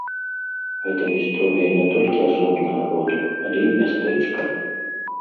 Гэта гісторыя не толькі асобнага роду, але і мястэчка.